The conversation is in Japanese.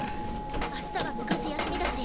あしたは部活休みだし